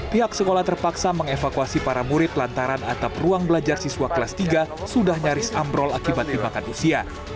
pihak sekolah terpaksa mengevakuasi para murid lantaran atap ruang belajar siswa kelas tiga sudah nyaris ambrol akibat dimakan usia